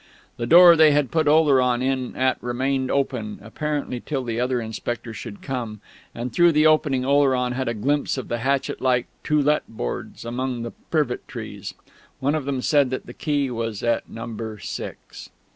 The door they had put Oleron in at remained open, apparently till the other inspector should come; and through the opening Oleron had a glimpse of the hatchet like "To Let" boards among the privet trees. One of them said that the key was at Number Six....